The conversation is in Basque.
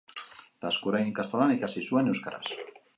Laskurain ikastolan ikasi zuen, euskaraz.